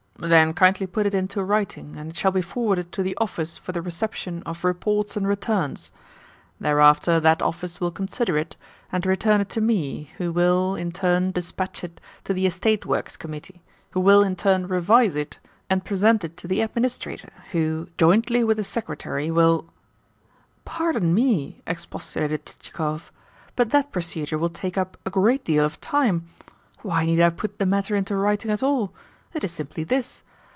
"Then kindly put it into writing, and it shall be forwarded to the Office for the Reception of Reports and Returns. Thereafter that Office will consider it, and return it to me, who will, in turn, dispatch it to the Estate Works Committee, who will, in turn, revise it, and present it to the Administrator, who, jointly with the Secretary, will " "Pardon me," expostulated Chichikov, "but that procedure will take up a great deal of time. Why need I put the matter into writing at all? It is simply this.